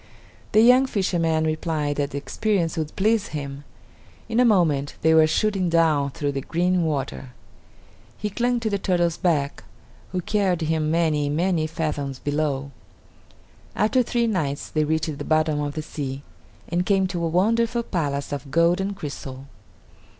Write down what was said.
The young fisherman replied that the experience would please him. In a moment they were shooting down through the green water. He clung to the turtle's back, who carried him many, many fathoms below. After three nights they reached the bottom of the sea, and came to a wonderful palace of gold and crystal.